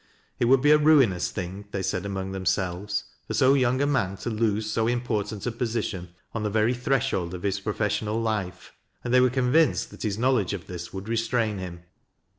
It would be a ruinous thing, they said among themselves, for so young a man to lose so important a position on the very threshold of his professional life, and they were convinced that his knowledge of this would restrain him.